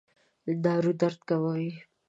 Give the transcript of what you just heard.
دارو درد کموي؟